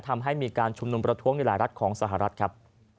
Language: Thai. ทำให้มีการชุมนุมประท้วงในหลายรัฐของสหรัฐครับ